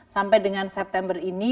sampai dengan september ini